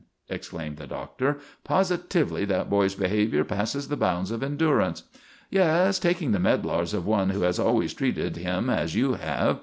exclaimed the Doctor. "Positively that boy's behavior passes the bounds of endurance." "Yes, taking the medlars of one who has always treated him as you have.